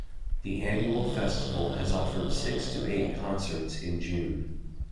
The annual festival has offered six to eight concerts in June.